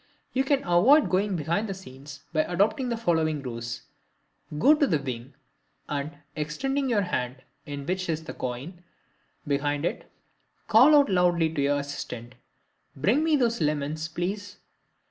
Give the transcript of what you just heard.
You can avoid going behind the scenes by adopting the following ruse: Go to the wing, and, extending your hand, in which is the coin, behind it, call out loudly to your assistant, "Bring me those lemons, please."